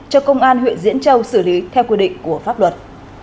cho công an huyện diễn châu xử lý theo quy định của pháp luật